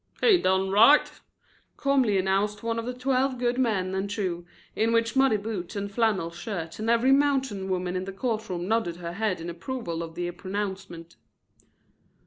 "He done right," calmly announced one of the twelve good men and true, in the muddy boots and flannel shirt, and every mountain woman in the court room nodded her head in approval of the pronouncement.